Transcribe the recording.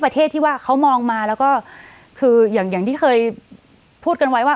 ประเทศที่ว่าเขามองมาแล้วก็คืออย่างที่เคยพูดกันไว้ว่า